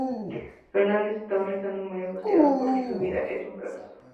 Fernández estaba rezando muy angustiada porque su vida es un fracaso.